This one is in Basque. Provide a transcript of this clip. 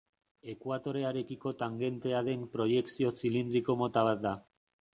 Ekuatorearekiko tangentea den proiekzio zilindriko mota bat da.